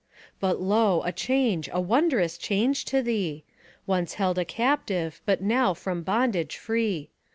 But, lo ! a change, a wondrous change, to thee I Once held a captive, but now from bondage free.